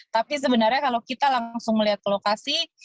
tapi sebenarnya kalau kita langsung melihat ke lokasi